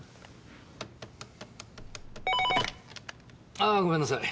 ☎ああごめんなさい。